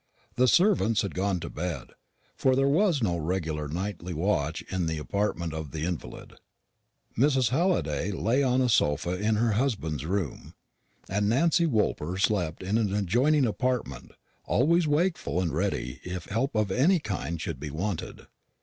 The servants had gone to bed, for there was no regular nightly watch in the apartment of the invalid. Mrs. Halliday lay on a sofa in her husband's room, and Nancy Woolper slept in an adjoining apartment, always wakeful and ready if help of any kind should be wanted.